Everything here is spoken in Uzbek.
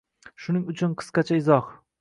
Shuning uchun qisqacha izoh.